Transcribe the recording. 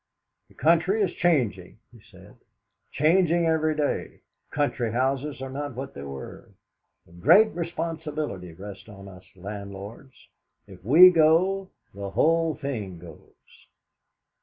"The country is changing," he said, "changing every day. Country houses are not what they were. A great responsibility rests on us landlords. If we go, the whole thing goes."